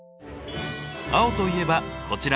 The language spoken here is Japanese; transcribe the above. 青といえばこちら。